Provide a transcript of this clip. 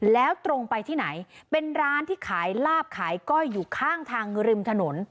แล้วตรงไปที่ไหนเป็นร้านที่ขายลาบขายก้อยอยู่ข้างทางริมถนน